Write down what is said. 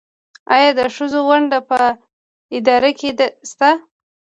آیا د ښځو ونډه په اداره کې شته؟